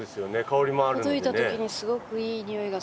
ほどいた時にすごくいいにおいがするから。